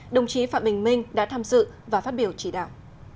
đồng chí phạm bình minh đã tham dự và phát biểu chỉ đạo